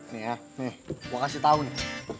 nih ya nih gue kasih tau nih